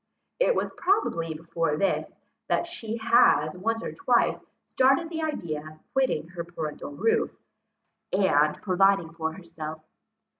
It was probably before this, that she has once or twice started the idea of quitting her parental roof, and providing for herself.